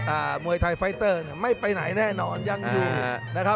อ่ามวยไทยไฟเตอร์เนี่ยไม่ไปไหนแน่นอนยังดูอ่า